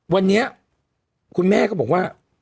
วันนี้คุณแม่ก็บอกว่า